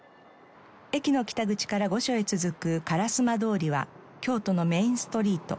駅の北口から御所へ続く烏丸通は京都のメインストリート。